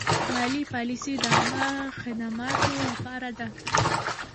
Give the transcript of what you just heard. مالي پالیسي د عامه خدماتو لپاره ده.